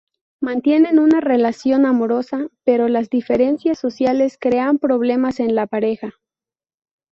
Mantienen una relación amorosa, pero las diferencias sociales crean problemas en la pareja.